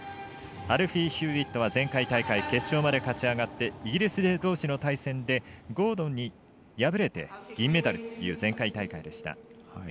アルフィー・ヒューウェットは前回大会、決勝まで勝ち上がってイギリス勢どうしの対戦でゴードンに敗れて銀メダルという前回大会でした。